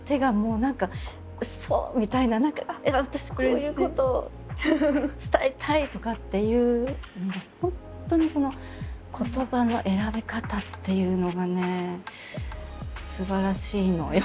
何か「今私こういうことを伝えたい！」とかっていうのが本当に言葉の選び方っていうのがねすばらしいのよ。